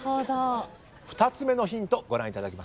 ２つ目のヒントご覧いただきます。